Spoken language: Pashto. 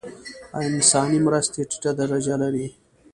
انساني مرستې ټیټه درجه لري.